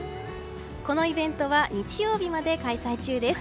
このイベントは日曜日まで開催中です。